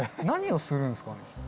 何をするんですかね？